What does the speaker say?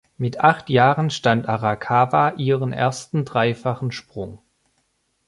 Mit acht Jahren stand Arakawa ihren ersten dreifachen Sprung.